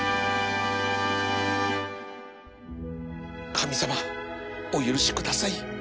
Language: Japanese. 神様お許しください